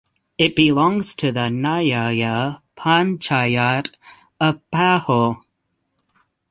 It belongs to the nyaya panchayat of Paho.